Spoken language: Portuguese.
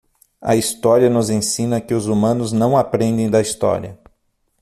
A história nos ensina que os humanos não aprendem da história.